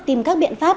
tìm các biện pháp